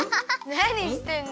なにしてんの？